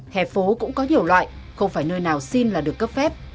hẻ phố cũng có nhiều loại không phải nơi nào xin là được cấp phép